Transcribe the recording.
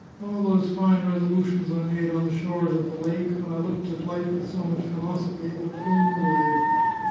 " All those fine resolutions I made on the shores of the lake, when I looked at life with so much philosophy, have flown away.